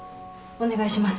お願いします。